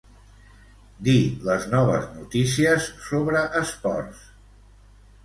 Dir les noves notícies sobre esports.